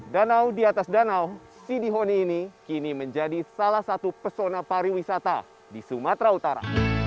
danau di atas danau sidi honi ini kini menjadi salah satu pesona pariwisata di sumatera utara